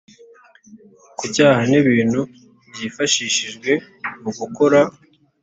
ku cyaha n ibintu byifashishijwe mu gukora